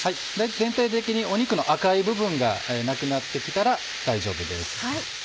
全体的に肉の赤い部分がなくなって来たら大丈夫です。